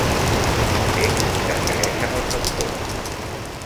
Text que segueixen els actors.